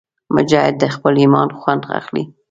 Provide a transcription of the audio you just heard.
مجاهد د خپل ایمان خوند اخلي.